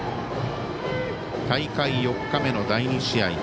大会４日目の第２試合。